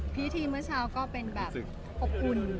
พิธีเมื่อเช้าก็เป็นแบบอบอุ่น